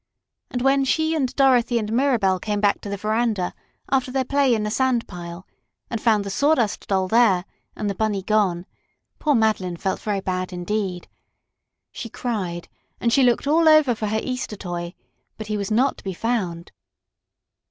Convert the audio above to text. And when she and Dorothy and Mirabell came back to the veranda after their play in the sand pile and found the Sawdust Doll there and the Bunny gone, poor Madeline felt very bad indeed. She cried, and she looked all over for her Easter toy, but he was not to be found.